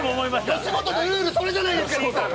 吉本のルールそれじゃないですか！